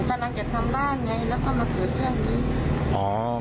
กำลังจะทำบ้านไงแล้วก็มาเกิดเรื่องนี้อ๋อ